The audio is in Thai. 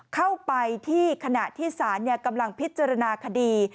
เข้าไปที่ขณะที่ศาลกำลังพิจารณาคดี